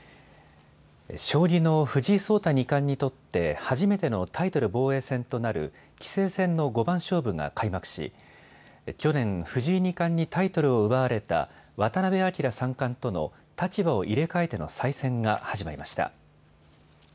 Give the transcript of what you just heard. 将棋の藤井聡太二冠にとって初めてのタイトル防衛戦となる棋聖戦の五番勝負が開幕し去年、藤井二冠にタイトルを奪われた渡辺明三冠との立場を入れ替えての再戦が始まりました。